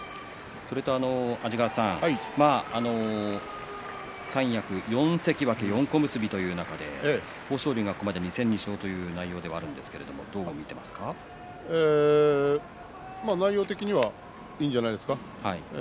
それと安治川さん三役、４関脇４小結という中で豊昇龍はここまで２戦２勝という内容的にはいいんじゃないですか。